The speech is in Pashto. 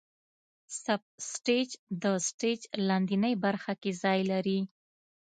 سب سټیج د سټیج لاندینۍ برخه کې ځای لري.